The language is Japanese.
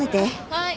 はい。